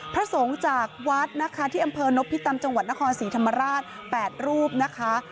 พระสงฆ์จากวัดนะคะที่อำเภอนพิตำจังหวัดนครศรีธรรมราช๘รูปนะคะ